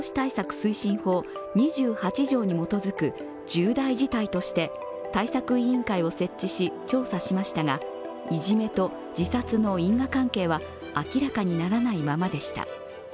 推進法２８条に基づく重大事態として、対策委員会を設置し調査しましたが、いじめと自殺の因果関係は明らかにならないままでした。